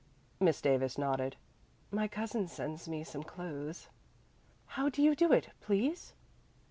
Miss Davis nodded. "My cousin sends me some clothes." "How do you do it, please?"